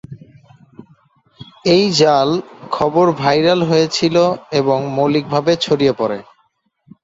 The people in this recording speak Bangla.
এই জাল খবর ভাইরাল হয়েছিল এবং মৌলিকভাবে ছড়িয়ে পরে।